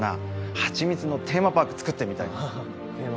ハチミツのテーマパークつくってみたいんです